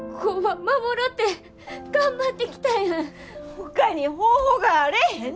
ほかに方法があれへんねん！